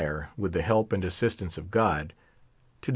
r<», with lb* h&\p and assistance of God, to de v..